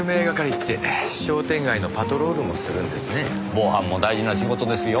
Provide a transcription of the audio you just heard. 防犯も大事な仕事ですよ。